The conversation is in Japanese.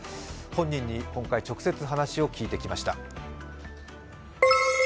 本人に今回、直接話を聞いてきました。